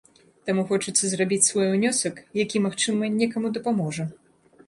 Таму хочацца зрабіць свой унёсак, які магчыма, некаму дапаможа.